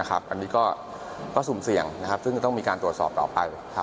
อันนี้ก็สุ่มเสี่ยงซึ่งจะต้องมีการตรวจสอบต่อไป